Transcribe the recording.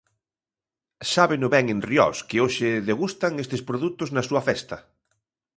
Sábeno ben en Riós, que hoxe degustan estes produtos na súa festa.